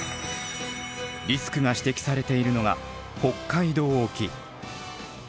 リスクが指摘されているのが北海道沖。